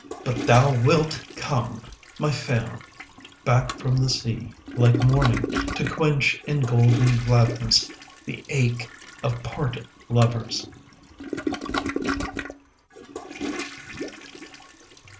But thou wilt come, my Phaon, Back from the sea like morning, 10 To quench in golden gladness The ache of parted lovers.